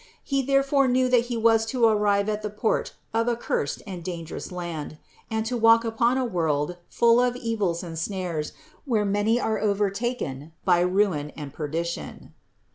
He therefore knew that he was to arrive at the port of a cursed and dangerous land, and to walk upon a world full of evils and snares, where many are overtaken by ruin and perdition.